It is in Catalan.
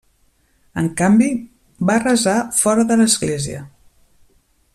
En canvi va resar fora de l'Església.